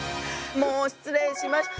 もう失礼しました。